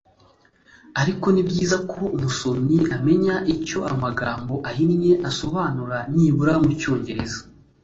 ariko ni byiza ko umusomyi amenya icyo amagambo ahinnye asobanura nibura mu cyongereza